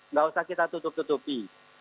nggak usah kita tutup tutupi